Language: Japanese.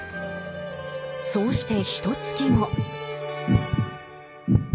そうしてひとつき後。